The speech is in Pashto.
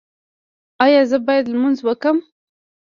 ایا زه باید لمونځ وکړم؟